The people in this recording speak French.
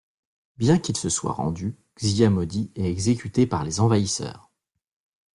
Bien qu'il se soit rendu, Xia Modi est exécuté par les envahisseurs.